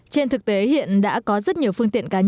trên thực tế hiện đã có rất nhiều phương tiện giao thông